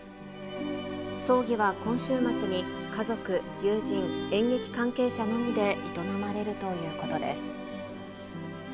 葬儀は今週末に、家族、友人、演劇関係者のみで営まれるということです。